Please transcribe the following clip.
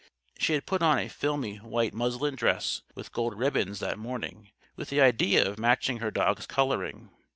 She had put on a filmy white muslin dress with gold ribbons that morning with the idea of matching her dog's coloring.